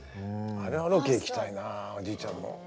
あれはロケ行きたいなあおじいちゃんも。